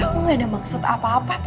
aku gak ada maksud apa apa